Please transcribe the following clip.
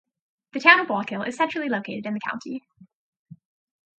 The Town of Wallkill is centrally located in the county.